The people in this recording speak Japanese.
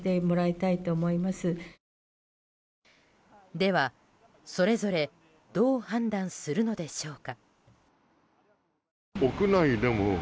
では、それぞれどう判断するのでしょうか。